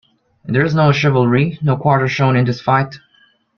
And there's no chivalry, no quarter shown in this fight.